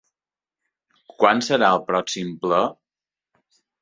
Quan serà el pròxim ple?